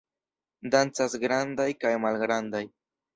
Dancas grandaj kaj malgrandaj!